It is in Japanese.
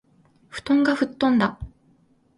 布団が吹っ飛んだ